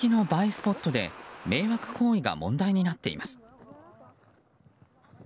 スポットで迷惑行為が問題になっています。